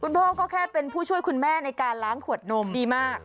พ่อก็แค่เป็นผู้ช่วยคุณแม่ในการล้างขวดนมดีมาก